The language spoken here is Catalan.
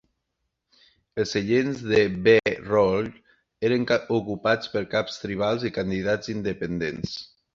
Els seients de "B" Roll eren ocupats per caps tribals i candidats independents.